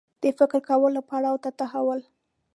د فکر کولو پړاو ته تحول